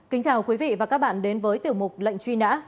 kính chào quý vị và các bạn đến với tiểu mục lệnh truy nã